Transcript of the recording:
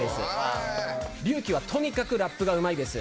ＲＹＵＫＩはとにかくラップがうまいです。